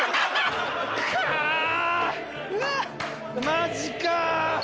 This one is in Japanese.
マジか！